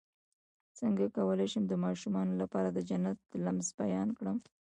څنګه کولی شم د ماشومانو لپاره د جنت د لمس بیان کړم